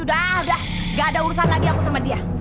udah ada gak ada urusan lagi aku sama dia